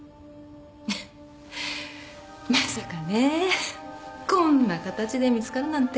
まさかねこんな形で見つかるなんて。